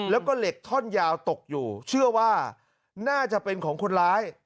แล้วก็เหล็กท่อนยาวตกอยู่เชื่อว่าน่าจะเป็นของคนร้าย